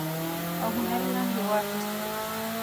او هنري رنګ يې واخيست.